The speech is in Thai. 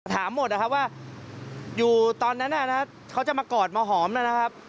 ถามหมดนะครับว่าอยู่ตอนนั้นเขาจะมากอดมาหอมนะครับ